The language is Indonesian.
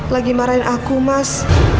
lagi marahin aku mas